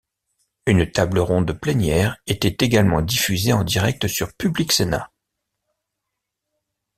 Une table ronde plénière était également diffusée en direct sur Public Sénat.